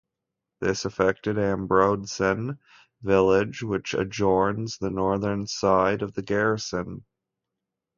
This affected Ambrosden village, which adjoins the northern side of the garrison.